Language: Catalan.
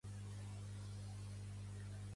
Pertany al moviment independentista l'Alfie?